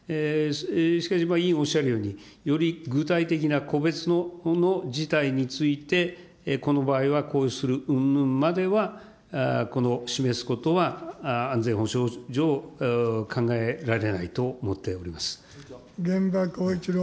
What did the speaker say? しかし委員おっしゃるように、より具体的な個別の事態について、この場合はこうするうんぬんまでは、この示すことは安全保障上、玄葉光一郎君。